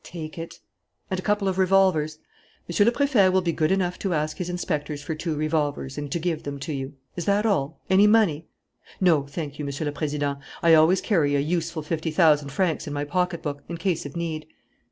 "Take it." "And a couple of revolvers." "Monsieur le Préfet will be good enough to ask his inspectors for two revolvers and to give them to you. Is that all? Any money?" "No, thank you, Monsieur le Président. I always carry a useful fifty thousand francs in my pocket book, in case of need."